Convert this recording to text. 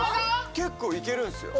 結構いけるんですよ。